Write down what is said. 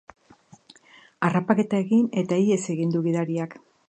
Harrapaketa egin eta ihes egin du gidariak.